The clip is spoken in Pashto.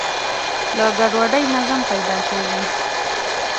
له ګډوډۍ نظم پیدا کېږي.